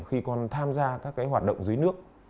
khi con tham gia các hoạt động dưới nước